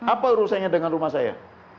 apa urusannya dengan rumah saya